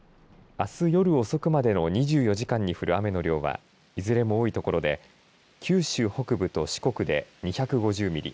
あす夜遅くまでの２４時間に降る雨の量はいずれも多い所で九州北部と四国で２５０ミリ